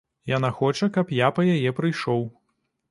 Яна хоча, каб я па яе прыйшоў.